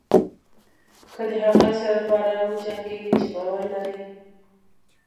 که د هغه څه لپاره وجنګېږئ چې باور لرئ.